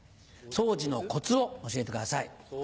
掃除のコツを教えてください。